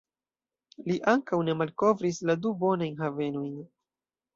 Li ankaŭ ne malkovris la du bonajn havenojn.